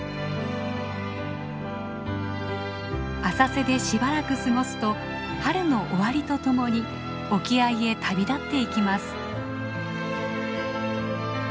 浅瀬でしばらく過ごすと春の終わりとともに沖合へ旅立っていきます。